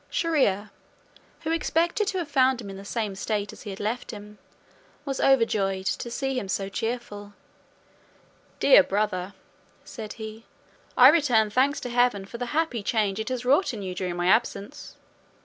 Shier ear, who expected to have found him in the same state as he had left him, was overjoyed to see him so cheerful: "Dear brother," said he, "I return thanks to heaven for the happy change it has wrought in you during my absence.